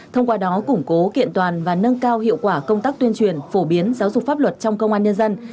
thông qua đó củng cố kiện toàn và nâng cao hiệu quả công tác tuyên truyền phổ biến giáo dục pháp luật trong công an nhân dân